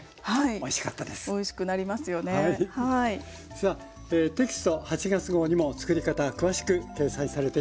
さあテキスト８月号にもつくり方詳しく掲載されています。